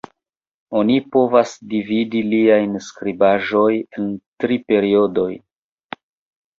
Oni povas dividi liaj skribaĵoj en tri periodojn.